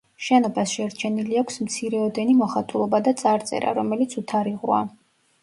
შენობას შერჩენილი აქვს მცირეოდენი მოხატულობა და წარწერა, რომელიც უთარიღოა.